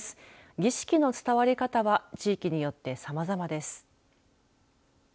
儀式の伝わり方は地域によってさまざまです。